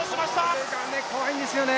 これが怖いんですよね。